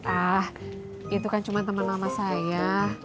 ah itu kan cuma teman lama saya